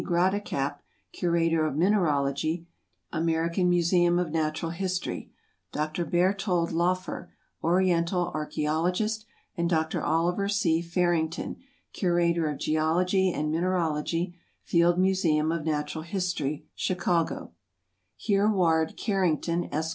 Gratacap, Curator of Mineralogy, American Museum of Natural History; Dr. Berthold Laufer, Oriental Archæologist, and Dr. Oliver C. Farrington, Curator of Geology and Mineralogy, Field Museum of Natural History, Chicago; Hereward Carrington, Esq.